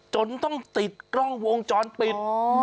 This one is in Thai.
จนต้องติดกล้องวงจรปิด